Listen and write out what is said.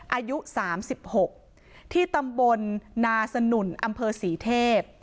อายุ๓๖ที่ตำบลนาสนุนอำเภอศรีเทพ